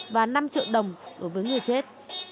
và năm triệu đồng đối với người chết